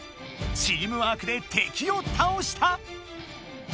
チームワークで敵を倒した。